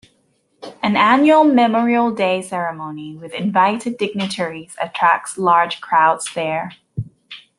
An annual Memorial Day ceremony with invited dignitaries attracts large crowds there.